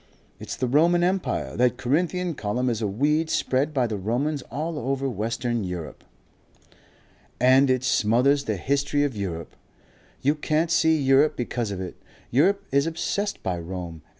"It's the Roman Empire. That Corinthian column is a weed spread by the Romans all over western Europe." "And it smothers the history of Europe. You can't see Europe because of it. Europe is obsessed by Rome.